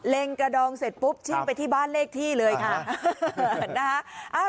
กระดองเสร็จปุ๊บชิ่งไปที่บ้านเลขที่เลยค่ะ